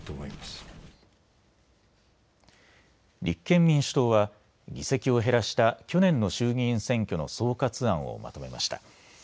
立憲民主党は議席を減らした去年の衆議院選挙の総括案をまとめました。